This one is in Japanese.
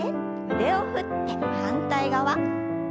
腕を振って反対側。